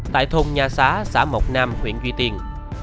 tại thôn nha xá xã mộc nam huyện duy tiên